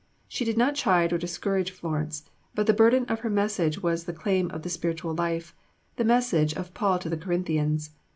She did not chide or discourage Florence; but the burden of her message was the claim of the spiritual life, the message of Paul to the Corinthians.